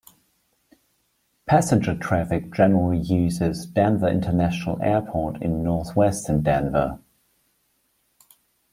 Passenger traffic generally uses Denver International Airport in northeastern Denver.